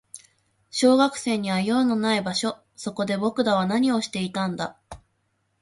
小学生には用のない場所。そこで僕らは何をしていたんだ。